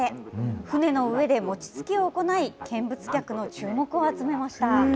船の上で餅つきを行い、見物客の注目を集めました。